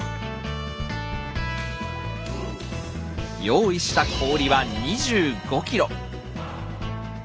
用意した氷は２５ｋｇ。